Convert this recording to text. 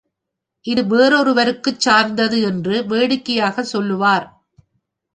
இது வேறொருவருக்குச் சார்ந்தது என்று வேடிக்கையாகச் சொல்லுவார்.